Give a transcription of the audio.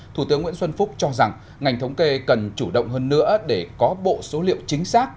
thủ tướng nguyễn xuân phúc cho rằng ngành thống kê cần chủ động hơn nữa để có bộ số liệu chính xác